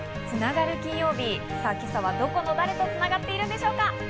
つながる金曜日、さぁ、今朝はどこの誰と繋がっているんでしょうか？